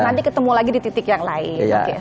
nanti ketemu lagi di titik yang lain